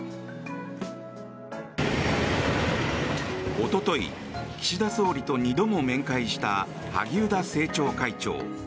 おととい、岸田総理と二度も面会した萩生田政調会長。